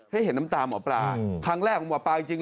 ให้เห็นน้ำตาหมอปลาครั้งแรกของหมอปลาจริง